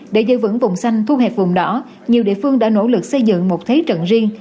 để giữ vững vùng xanh thu hẹp vùng đỏ nhiều địa phương đã nỗ lực xây dựng một thế trận riêng